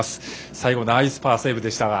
最後、ナイスパーセーブでしたが